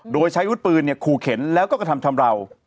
โดยใช้วุฒิปืนขู่เข็นแล้วก็กระทำชำราว